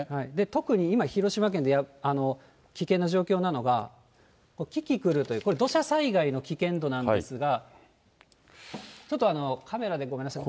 特に今、広島県で危険な状況なのが、キキクルという、土砂災害の危険度なんですが、ちょっとカメラでごめんなさい。